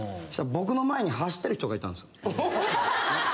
したら僕の前に走ってる人がいたんですよ。